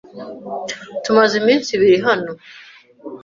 Tumaze iminsi ibiri hano.